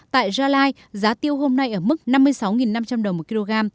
tại gia lai giá tiêu hôm nay ở mức năm mươi sáu năm trăm linh đồng một kg